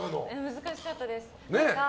難しかったです。